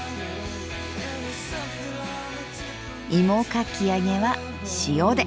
いもかき揚げは塩で！